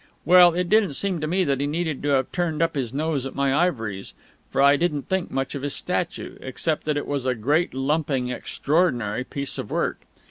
Well, it didn't seem to me that he needed to have turned up his nose at my ivories, for I didn't think much of his statue except that it was a great, lumping, extraordinary piece of work.